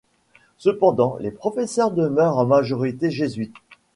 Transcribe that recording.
Cependant les professeurs demeurent en majorité jésuites.